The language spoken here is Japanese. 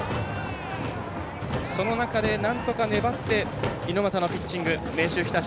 その中で、なんとか粘って、猪俣のピッチング明秀日立。